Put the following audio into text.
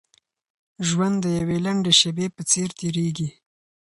ژوند د يوې لنډې شېبې په څېر تېرېږي.